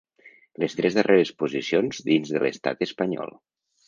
Les tres darreres posicions dins de l’estat espanyol.